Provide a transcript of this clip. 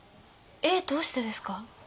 えっどうしてですか？